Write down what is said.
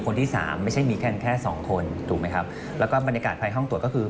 แล้วก็บรรยากาศภายห้องตรวจก็คือ